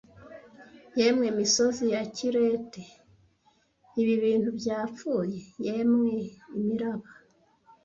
Yemwe misozi ya Kirete, ibi bintu byapfuye? Yemwe imiraba,